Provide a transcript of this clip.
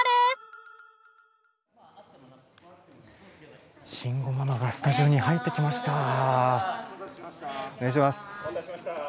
今スタジオに入ってきました。